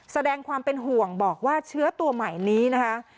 แสดงความเป็นห่วงบอกว่าเชื้อตัวใหม่นี้นะคะ